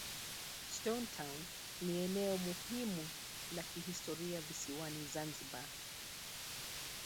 stone town ni eneo muhimu la kihistoria visiwani zanzibar